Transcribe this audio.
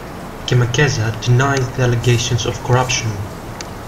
Kemakeza denies the allegations of corruption.